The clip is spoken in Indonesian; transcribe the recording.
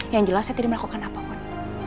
yang jelas saya tidak melakukan apapun